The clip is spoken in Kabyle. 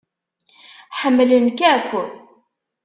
Ḥemmlen-k akk.